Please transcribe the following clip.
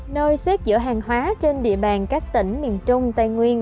nơi xếp giữa hàng hóa trên địa bàn các tỉnh miền trung tây nguyên